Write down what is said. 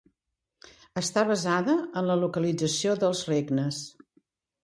Està basada en la localització dels regnes.